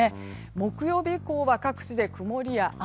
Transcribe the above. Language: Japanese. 木曜日以降は各地で曇りや雨。